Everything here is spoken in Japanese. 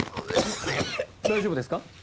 大丈夫ですか？